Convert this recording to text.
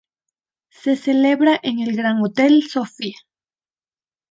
Se celebra en el Grand Hotel Sofía.